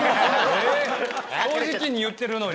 えっ正直に言ってるのに。